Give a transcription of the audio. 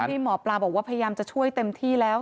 ที่หมอปลาบอกว่าพยายามจะช่วยเต็มที่แล้ว